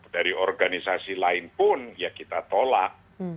dari organisasi lain pun ya kita tolak